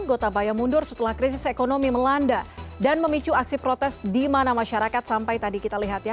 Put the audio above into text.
gotabaya mundur setelah krisis ekonomi melanda dan memicu aksi protes di mana masyarakat sampai tadi kita lihat ya